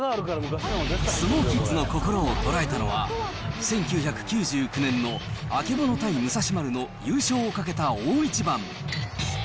相撲キッズの心を捉えたのは、１９９９年の曙対武蔵丸の優勝をかけた大一番。